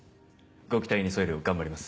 ご期待に沿えるよう頑張ります。